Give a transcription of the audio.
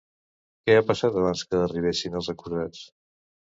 Què ha passat abans que arribessin els acusats?